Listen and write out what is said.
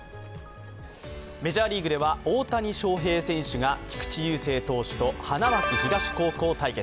メジャーリーグでは、大谷翔平選手が菊池雄星投手と花巻東高校対決。